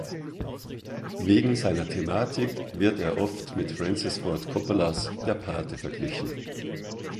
Wegen seiner Thematik wird er oft mit Francis Ford Coppolas "Der Pate" verglichen.